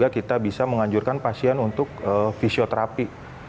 kita bisa menganjurkan pasien untuk fisioterapi